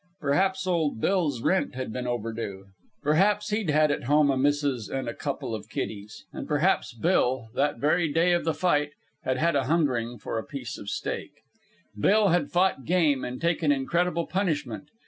Perhaps old Bill's rent had been overdue. Perhaps he'd had at home a missus an' a couple of kiddies. And perhaps Bill, that very day of the fight, had had a hungering for a piece of steak. Bill had fought game and taken incredible punishment.